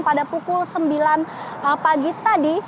pada pukul sembilan pagi tadi